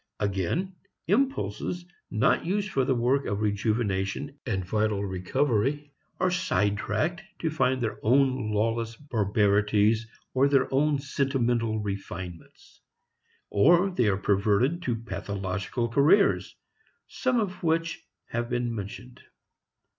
Again, impulses not used for the work of rejuvenation and vital recovery are sidetracked to find their own lawless barbarities or their own sentimental refinements. Or they are perverted to pathological careers some of which have been mentioned.